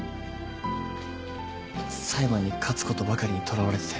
裁判に勝つことばかりにとらわれてて。